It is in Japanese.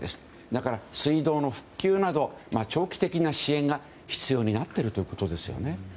だから、水道の復旧など長期的な支援が必要になっているということですよね。